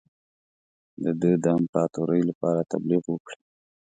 د ده د امپراطوری لپاره تبلیغ وکړي.